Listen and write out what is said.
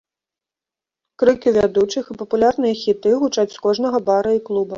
Крыкі вядучых і папулярныя хіты гучаць з кожнага бара і клуба.